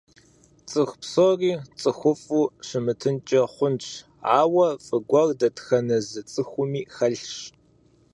Цӏыху псори цӏыхуфӏу щымытынкӏэ хъунщ, ауэ фӏы гуэр дэтхэнэ зы цӏыхуми хэлъщ.